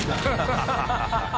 ハハハ